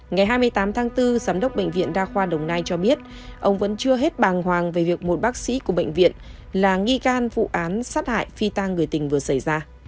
ngày hai mươi tám tháng bốn giám đốc bệnh viện đa khoa đồng nai cho biết ông vẫn chưa hết bàng hoàng về việc một bác sĩ của bệnh viện là nghi can vụ án sát hại phi tang người tình vừa xảy ra